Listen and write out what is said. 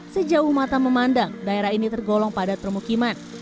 sejauh mata memandang daerah ini tergolong padat permukiman